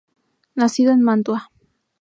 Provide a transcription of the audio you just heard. Nacido en Mantua.